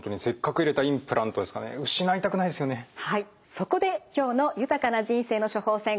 そこで今日の「豊かな人生の処方せん」